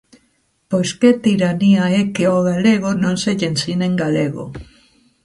Pois que tiranía é que ó galego non se lle ensine en galego.